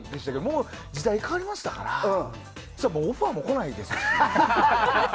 もう時代変わりましたからオファーも来ないですし。